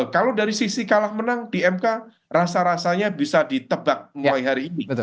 kalau dari sisi kalah menang di mk rasa rasanya bisa ditebak mulai hari ini